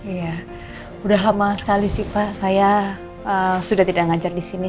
iya sudah lama sekali sih pak saya sudah tidak ngajar di sini